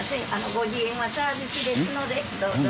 ５０円はサービスですのでどうぞ。